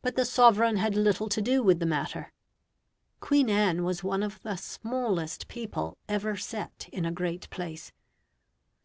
But the sovereign had little to do with the matter. Queen Anne was one of the smallest people ever set in a great place.